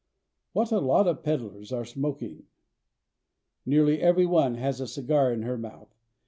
231 What a lot of the peddlers are smoking ! Nearly every one has a cigar in her mouth.